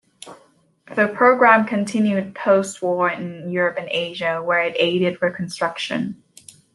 The program continued post-war in Europe and Asia, where it aided reconstruction.